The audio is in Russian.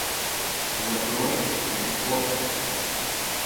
Закрой все окна